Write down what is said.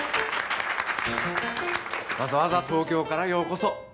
わざわざ東京からようこそ。